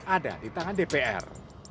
ada di tangan dpr